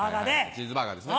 チーズバーガーですね。